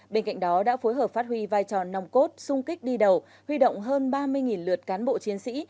bên cạnh đó đã phối hợp phát huy vai trò nòng cốt sung kích đi đầu huy động hơn ba mươi lượt cán bộ chiến sĩ